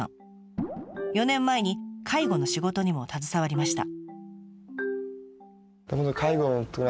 ４年前に介護の仕事にも携わりました。